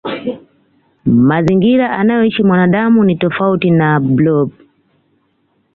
mazingira anayoishi mwanadamu ni tofauti na blob